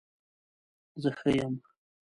زه ښه یم